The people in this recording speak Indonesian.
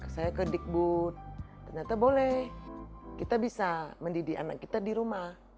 saya ke dikbud ternyata boleh kita bisa mendidik anak kita di rumah